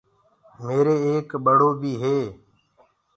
ميري ايڪ ٻڙو بيٚ هي۔